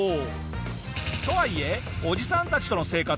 とはいえおじさんたちとの生活